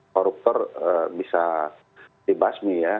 koruptor bisa dibasmi ya